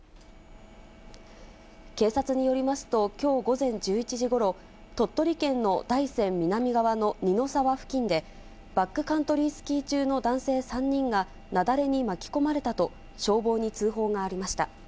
警察によりますと、きょう午前１１時ごろ、鳥取県の大山南側の二の沢付近で、バックカントリースキー中の男性３人が、雪崩に巻き込まれたと消防に通報がありました。